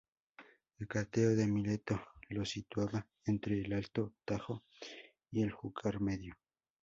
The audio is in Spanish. Hecateo de Mileto los situaba entre el alto Tajo y el Júcar medio.